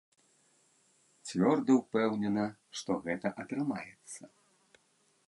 Цвёрда ўпэўнена, што гэта атрымаецца.